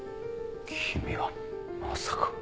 君はまさか。